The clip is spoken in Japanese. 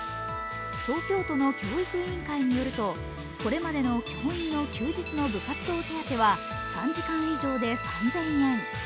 東京都の教育委員会によるとこれまでの教員の休日の部活動手当は３時間以上で３０００円。